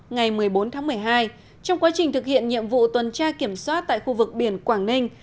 ngày một mươi bốn tháng một mươi hai trong quá trình thực hiện nhiệm vụ tuần tra kiểm soát tại khu vực biển quảng ninh